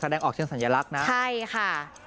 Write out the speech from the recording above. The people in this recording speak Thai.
ออกเชิงสัญลักษณ์นะใช่ค่ะ